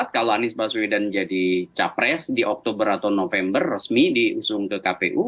kalau anies baswedan jadi capres di oktober atau november resmi diusung ke kpu